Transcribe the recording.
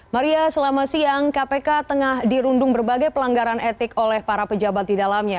maria selama siang kpk tengah dirundung berbagai pelanggaran etik oleh para pejabat di dalamnya